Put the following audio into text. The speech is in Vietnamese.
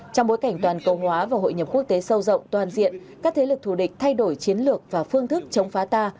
trong bối cảnh toàn cầu hóa và hội nhập quốc tế sâu rộng toàn diện các thế lực thù địch thay đổi chiến lược và phương thức chống phá ta